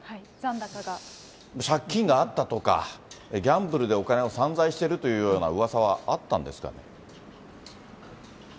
借金があったとか、ギャンブルでお金を散財してるというようなうわさはあったんですかね。